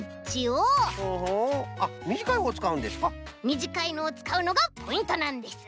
みじかいのをつかうのがポイントなんです。